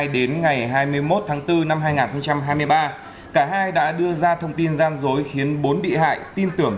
đến ngày hai mươi một tháng bốn năm hai nghìn hai mươi ba cả hai đã đưa ra thông tin gian dối khiến bốn bị hại tin tưởng